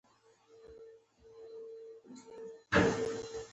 ښایست د زړه د سکون دروازه ده